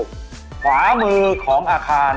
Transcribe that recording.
ขวามือของอาคาร